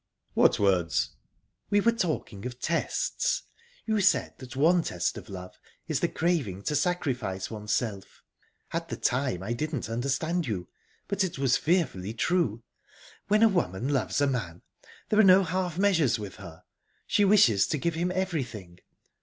"What words?" "We were talking of tests. You said that one test of love is the craving to sacrifice oneself. At the time, I didn't understand you, but it was fearfully true. When a woman loves a man, there are no half measures with her she wishes to give him everything.